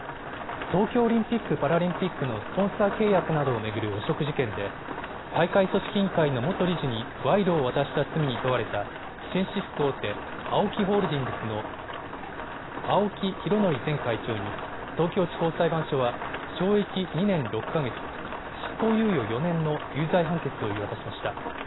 東京オリンピック・パラリンピックのスポンサー契約などを巡る汚職事件で大会組織委員会の元理事に賄賂を渡した罪に問われた紳士服大手、ＡＯＫＩホールディングスの青木拡憲前会長に東京地方裁判所は懲役２年６か月、執行猶予４年の有罪判決を言い渡しました。